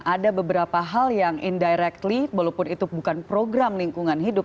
ada beberapa hal yang indirectly walaupun itu bukan program lingkungan hidup